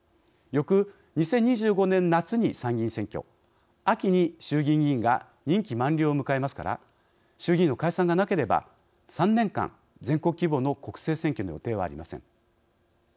翌２０２５年夏に参議院選挙秋に衆議院議員が任期満了を迎えますから衆議院の解散がなければ３年間全国規模の国政選挙の予定はありません。